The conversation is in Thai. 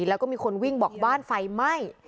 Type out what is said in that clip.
แล้วก็มีคนวิ่งบอกบ้านไฟไหม้